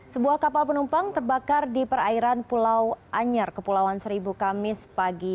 sebuah kapal penumpang terbakar di perairan pulau anyar kepulauan seribu kamis pagi